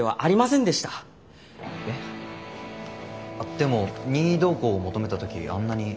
でも任意同行を求めた時あんなに。